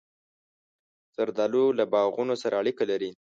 زردالو له باغونو سره اړیکه لري.